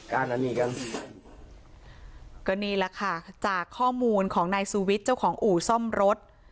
ก็นี่แหละค่ะจากข้อมูลของนายซูวิทเจ้าของอู่ซ่อมรถ